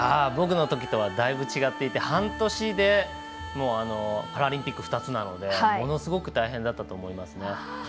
僕のときとはだいぶ違っていて、半年でパラリンピック２つなのでものすごく大変だったと思います。